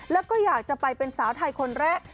แล้วก็อยากจะไปเป็นสาวไทยคนแรก